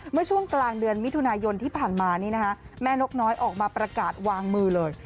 เมื่อช่วงกลางเดือนมิถุนายนที่ผ่านมานี่นะคะแม่นกน้อยออกมาประกาศวางมือเลย